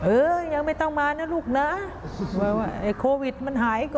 เออยังไม่ต้องมานะลูกนะ